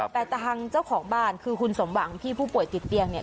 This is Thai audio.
แต่ทางเจ้าของบ้านคือคุณสมหวังพี่ผู้ป่วยติดเตียงเนี่ย